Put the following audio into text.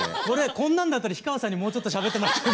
こんなんだったら氷川さんにもうちょっとしゃべってもらっても。